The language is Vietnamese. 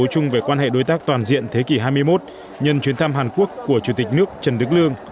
nói chung về quan hệ đối tác toàn diện thế kỷ hai mươi một nhân chuyến thăm hàn quốc của chủ tịch nước trần đức lương